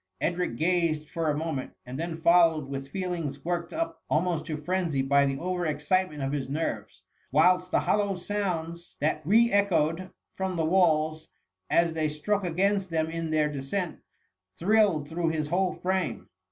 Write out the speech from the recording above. Edric gazed for a moment, and then followed with feelings work ed up almost to frenzy by the over excitement of his nerves ; whilst the hollow sounds that re echoed from the walls, as they struck against them in their descent, thrilled through his whole frame.